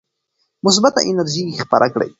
مثبته انرژي خپره کړئ.